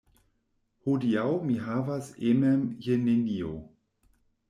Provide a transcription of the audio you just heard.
Hodiaŭ mi havas emen je nenio.